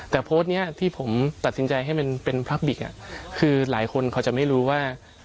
แต่โพสต์นี้ที่ผมตัดสินใจให้มันเป็นพราบิกคือหลายคนเขาจะไม่รู้ว่า